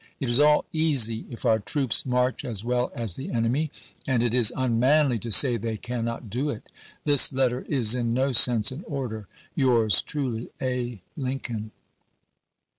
It is all easy if our troops march as well as ^ jj the enemy, and it is unmanly to say they cannot do it. Vol. XIX.. This letter is in no sense an order. p5.^i3, u. Yours truly, A. Lincoln.